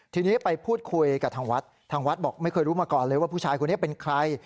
ทีนี้ไปพูดคุยกับทางวัดทางวัดบอกไม่เคยรู้มาก่อนเลยว่าผู้ชายคนนี้เป็นใคร